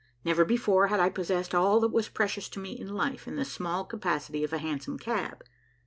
Never before had I possessed all that was precious to me in life in the small capacity of a hansom cab.